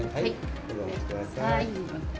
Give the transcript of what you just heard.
どうぞ、お持ちください。